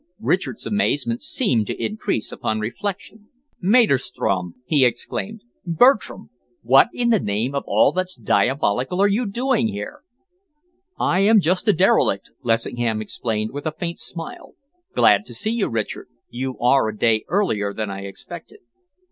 Richard's amazement seemed to increase upon reflection. "Maderstrom!" he exclaimed. "Bertram! What in the name of all that's diabolical are you doing here?" "I am just a derelict," Lessingham explained, with a faint smile. "Glad to see you, Richard. You are a day earlier than I expected."